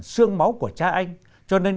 xương máu của cha anh cho nên